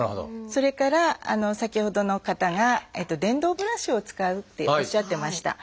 それから先ほどの方が電動ブラシを使うっておっしゃってました。